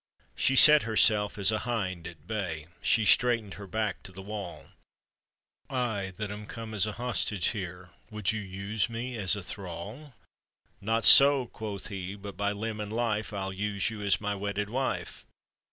She set herself as a hind at bay, She straightened her back to the wall ; "I that am come as a hostage here, Would you use me as a thrall?" " Not so," quoth he, "but by limb and life, I'll use you as my wedded wife."